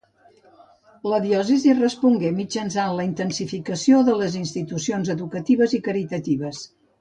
La diòcesi respongué mitjançant la intensificació de les institucions educatives i caritatives.